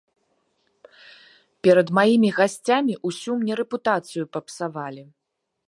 Перад маімі гасцямі ўсю мне рэпутацыю папсавалі.